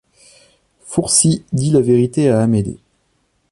Fourcy dit la vérité à Amédée.